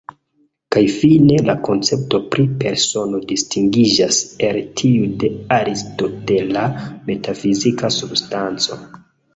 Kaj fine la koncepto pri persono distingiĝas el tiu de aristotela metafizika substanco.